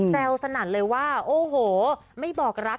แซวสนั่นเลยว่าโอ้โหไม่บอกรัก